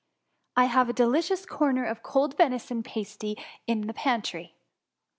I have a delicious corner of a cold venison pasty in my pantry.'